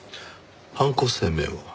犯行声明は？